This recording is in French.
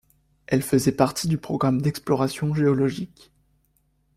Elle faisait partie du programme d'exploration géologique.